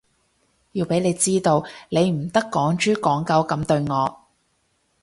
要畀你知道，你唔得趕豬趕狗噉對我